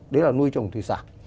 đấy là nuôi trồng thủy sản